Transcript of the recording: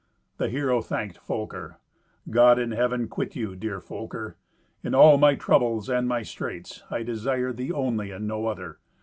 The hero thanked Folker, "God in Heaven quit you, dear Folker. In all my troubles and my straits I desire thee only and no other.